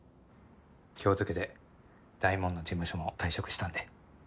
今日付で大門の事務所も退職したんで。